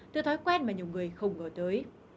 từ thói quen mà nhiều người không ngờ tới